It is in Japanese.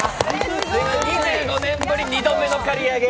２５年ぶり、２度目の刈り上げ。